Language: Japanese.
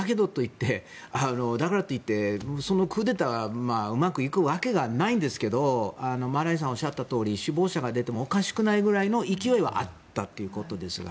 だからといって、クーデターがうまくいくわけがないんですけどマライさんおっしゃったとおり死亡者が出てもおかしくないぐらいの勢いはあったということですが。